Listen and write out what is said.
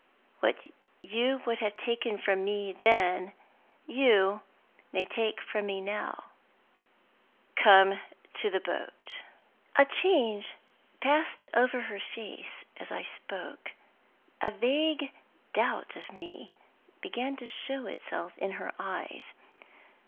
What you would have taken from me then, you may take from me now. Come to the boat." A change passed over her face as I spoke; a vague doubt of me began to show itself in her eyes.